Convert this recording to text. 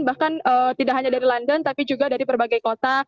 bahkan tidak hanya dari london tapi juga dari berbagai kota